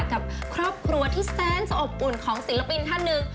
กับครอบครัวที่แสนจะอบอุ่นของศิลปินท่านหนึ่ง